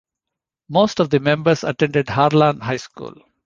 Most of the members attended Harlan High School.